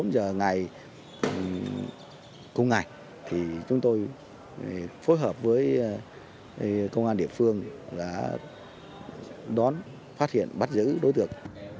hai mươi bốn giờ ngày công ngày thì chúng tôi phối hợp với công an địa phương đã đón phát hiện bắt giữ đối tượng